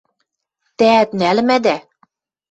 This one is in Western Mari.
– Тӓӓт нӓлӹмӓдӓ!..